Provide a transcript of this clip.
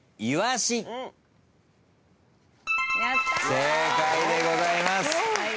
正解でございます。